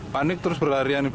panik terus berlarian ibu